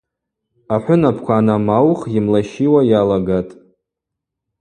Ахӏвынапква анамаух йымлащиуа йалагатӏ.